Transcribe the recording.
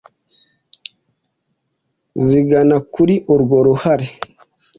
zigana kuri urwo ruhare